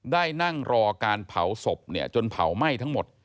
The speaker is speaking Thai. นั่งรอการเผาศพจนเผาไหม้ทั้งหมด